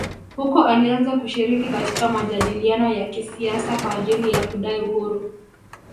Huko alianza kushiriki katika majadiliano ya kisiasa kwa ajili ya kudai uhuru